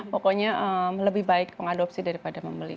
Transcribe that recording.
pokoknya lebih baik mengadopsi daripada membeli